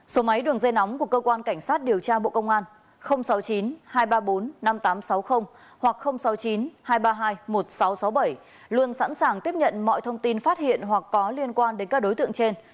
số máy đường dây nóng của cơ quan cảnh sát điều tra bộ công an sáu mươi chín hai trăm ba mươi bốn năm nghìn tám trăm sáu mươi hoặc sáu mươi chín hai trăm ba mươi hai một nghìn sáu trăm sáu mươi bảy luôn sẵn sàng tiếp nhận mọi thông tin phát hiện hoặc có liên quan đến các đối tượng trên